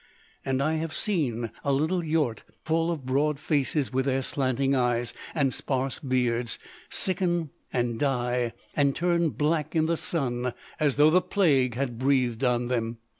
And I have seen a little yort full of Broad Faces with their slanting eyes and sparse beards, sicken and die, and turn black in the sun as though the plague had breathed on them.